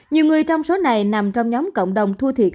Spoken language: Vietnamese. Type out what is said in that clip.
nhiều người trong số này nằm trong nhóm cộng đồng thua thiệt